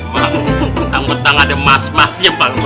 mak entang entang ada mas masnya pak